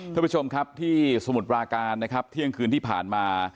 ท่านผู้ชมครับที่สมุทรปราการนะครับเที่ยงคืนที่ผ่านมา